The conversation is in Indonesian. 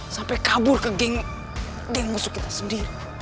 sampai kabur ke geng musuh kita sendiri